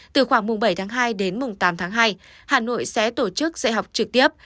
từ khoảng bảy hai đến tám hai hà nội sẽ tổ chức dạy học trực tiếp